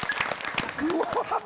うわ。